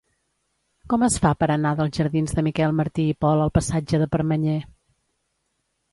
Com es fa per anar dels jardins de Miquel Martí i Pol al passatge de Permanyer?